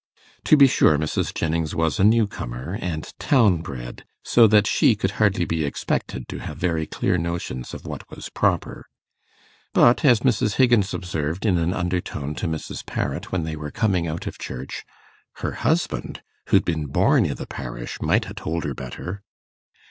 To be sure, Mrs. Jennings was a new comer, and town bred, so that she could hardly be expected to have very clear notions of what was proper; but, as Mrs. Higgins observed in an undertone to Mrs. Parrot when they were coming out of church, 'Her husband, who'd been born i' the parish, might ha' told her better.